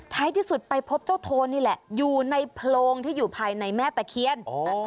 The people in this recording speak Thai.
ที่สุดไปพบเจ้าโทนนี่แหละอยู่ในโพรงที่อยู่ภายในแม่ตะเคียน